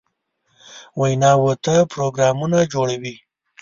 ویناوو ته پروګرامونه جوړوي.